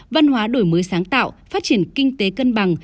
văn hóa đổi mới sáng tạo phát triển kinh tế cân bằng